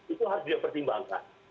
itu harus dia pertimbangkan